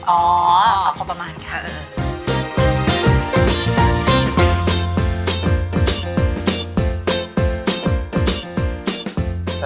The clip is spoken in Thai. เอาพอประมาณค่ะ